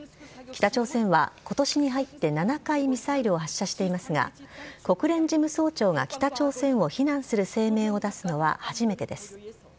北朝鮮は、ことしに入って７回ミサイルを発射していますが、国連事務総長が北朝鮮を非難する声明を出すのは初めてです。